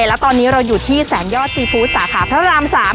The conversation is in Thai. แล้วตอนนี้เราอยู่ที่แสนยอดซีฟู้ดสาขาพระราม๓